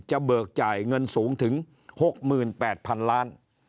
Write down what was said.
เบิกจ่ายเงินสูงถึง๖๘๐๐๐ล้าน